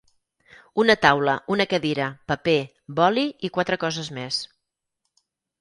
Una taula, una cadira, paper, boli i quatre coses més.